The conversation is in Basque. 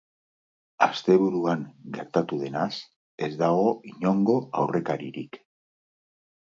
Asteburuan gertatu denaz ez dago inongo aurrekaririk.